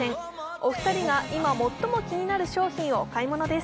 お二人が今、最も気になる商品を買い物です。